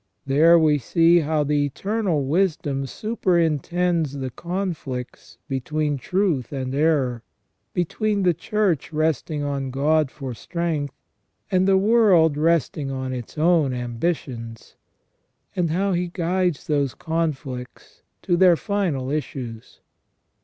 There we see how the Eternal Wisdom superintends the conflicts between truth and error, between the Church resting on God for strength, and the world resting on its own ambitions, and how He guides those conflicts to their final issues.